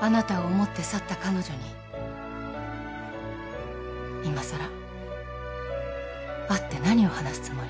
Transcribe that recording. あなたを思って去った彼女に今さら会って何を話すつもり？